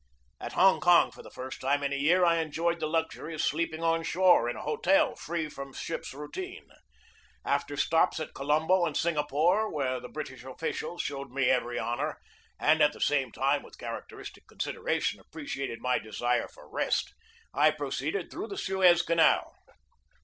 At Hong Kong for the first time in a year I enjoyed the luxury of sleeping on shore in a hotel free from ship's routine. After stops at Colombo and Singa pore, where the British officials showed me every honor, and at the same time with characteristic consideration appreciated my desire for rest, I pro ceeded through the Suez Canal.